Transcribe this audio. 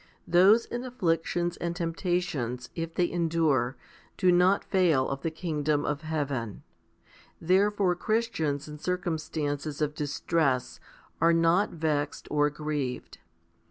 Those in afflictions and temptations, if they endure, do not fail of the kingdom of heaven; therefore Christians in circumstances of distress are not vexed or grieved.